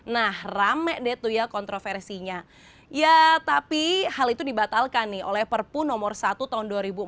nah rame deh tuh ya kontroversinya ya tapi hal itu dibatalkan nih oleh perpu nomor satu tahun dua ribu empat belas